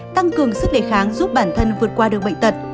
tăng cường sức lệ kháng giúp bản thân vượt qua đường bệnh tật